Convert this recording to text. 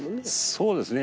そうですね。